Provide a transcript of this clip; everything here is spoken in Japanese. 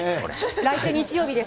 来週日曜日です。